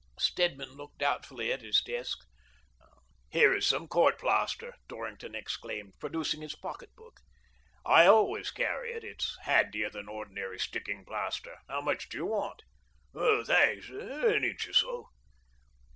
Stedman looked doubtfully at his desk. "Here is some court plaster," Dorrington ex claimed, producing his pocket book. " I always 12 162 TEE DOBEINGTON DEED BOX carry it — it's handier than ordinary sticking plaster. How much do you want?" " Thanks — an inch or so."